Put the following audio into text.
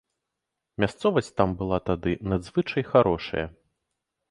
Мясцовасць там была тады надзвычай харошая.